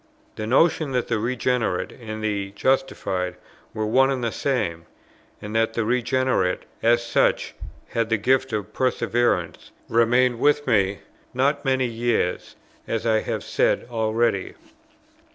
The notion that the regenerate and the justified were one and the same, and that the regenerate, as such, had the gift of perseverance, remained with me not many years, as I have said already.